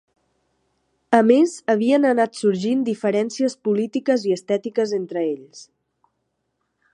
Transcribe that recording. A més havien anat sorgint diferències polítiques i estètiques entre ells.